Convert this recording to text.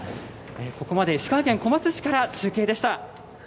ここまで石川県小松市から中継でした。